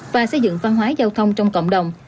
và xây dựng văn hóa giao thông trong cộng đồng